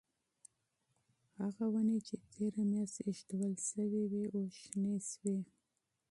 هغه ونې چې تیره میاشت ایښودل شوې وې اوس شنې شوې.